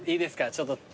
ちょっと。